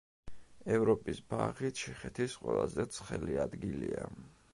ევროპის ბაღი ჩეხეთის ყველაზე ცხელი ადგილია.